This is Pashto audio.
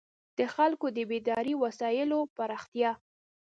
د خلکو د بېدارۍ وسایلو پراختیا.